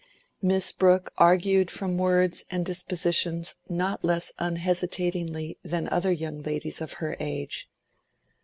Miss Brooke argued from words and dispositions not less unhesitatingly than other young ladies of her age.